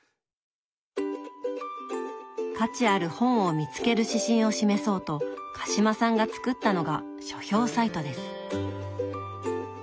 価値ある本を見つける指針を示そうと鹿島さんが作ったのが書評サイトです。